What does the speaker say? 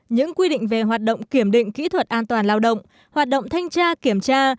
những quy định về hoạt động kiểm định kỹ thuật an toàn lao động hoạt động thanh tra kiểm tra